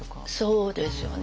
そうですよね。